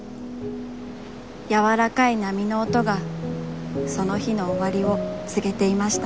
やわらかい波の音が、その日のおわりをつげていました。